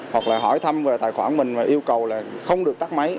hoặc là hỏi thăm về tài khoản mình và yêu cầu là không được tắt máy